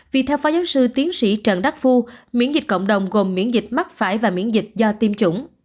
vì theo phó giáo sư tiến sĩ trần đắc phu miễn dịch cộng đồng gồm miễn dịch mắc phải và miễn dịch do tiêm chủng